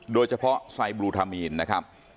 โดยเฉพาะไซบลูทามีนนะครับ